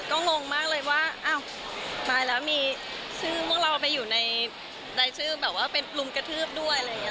ก็งงมากเลยว่าอ้าวตายแล้วมีชื่อพวกเราไปอยู่ในรายชื่อแบบว่าเป็นลุมกระทืบด้วยอะไรอย่างนี้